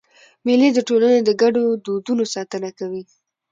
مېلې د ټولني د ګډو دودونو ساتنه کوي.